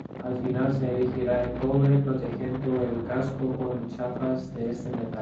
Al final se elegiría el cobre, protegiendo el casco con chapas de este metal.